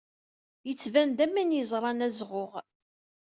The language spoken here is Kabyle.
Yettban-d am win yeẓran azɣuɣ.